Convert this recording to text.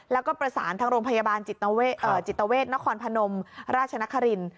แล้วก็ประสานทางโรงพยาบาลจิตเวทนครพนมราชนคริน